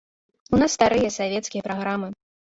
У нас старыя савецкія праграмы.